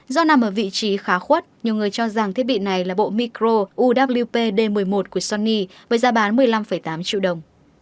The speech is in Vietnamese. do nằm ở vị trí khá khuất nhiều người cho rằng thiết bị này là bộ micro up d một mươi một của sunny với giá bán một mươi năm tám triệu đồng